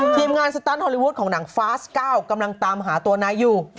ทีมงานสตันฮอลลีวูดของหนังฟาส๙กำลังตามหาตัวนายอยู่